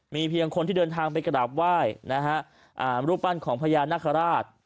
มีเพียงคนที่เดินทางไปกราบไหว้นะฮะรูปปั้นของพญานาคาราช